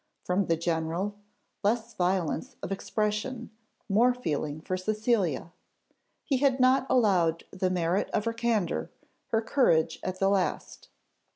From the general, less violence of expression, more feeling for Cecilia; he had not allowed the merit of her candour, her courage at the last.